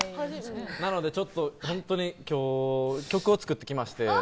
なのでちょっとホントに今日曲を作ってきまして。